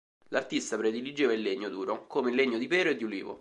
L'artista prediligeva il legno duro, come il legno di pero e di ulivo.